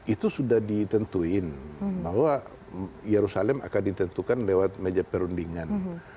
itu sudah ditentuin bahwa yerusalem akan ditentukan lewat meja perundingan